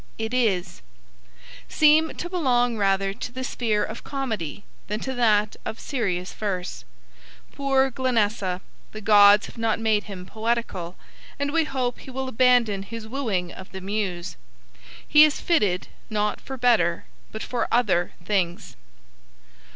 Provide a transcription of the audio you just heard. It is seem to belong rather to the sphere of comedy than to that of serious verse. Poor Glenessa! the gods have not made him poetical, and we hope he will abandon his wooing of the muse. He is fitted, not for better, but for other things.